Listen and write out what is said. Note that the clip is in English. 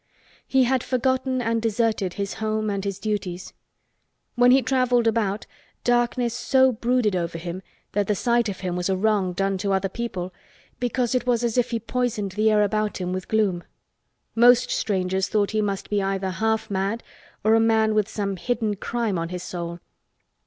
He had forgotten and deserted his home and his duties. When he traveled about, darkness so brooded over him that the sight of him was a wrong done to other people because it was as if he poisoned the air about him with gloom. Most strangers thought he must be either half mad or a man with some hidden crime on his soul.